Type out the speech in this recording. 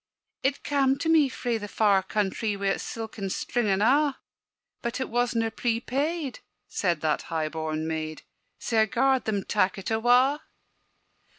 "It cam' to me frae the far countrie Wi' its silken string and a'; But it wasna prepaid," said that high born maid, "Sae I gar'd them tak' it awa'."